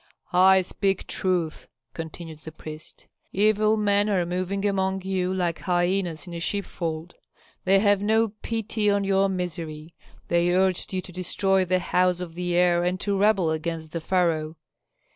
"I speak truth," continued the priest; "evil men are moving among you like hyenas in a sheepfold. They have no pity on your misery, they urged you to destroy the house of the heir and to rebel against the pharaoh.